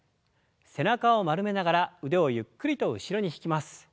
背中を丸めながら腕をゆっくりと後ろに引きます。